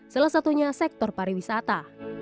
salah satunya sektor pariwisata